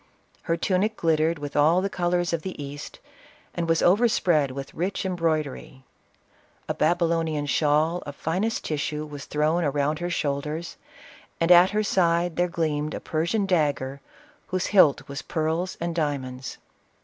Her tunic glittered with all the colors of the East, and was overspread with rich em broidery. A Babylonian shawl of finest tissue was thrown around her shoulders, and at her side there gleamed a Persian dagger whose hilt was pearls and diamonds.